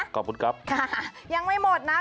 ขอบคุณครับค่ะยังไม่หมดนะ